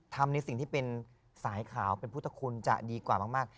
ทำในสิ่งที่เป็นสายขาวเป็นพุทธคุณจะดีกว่ามาก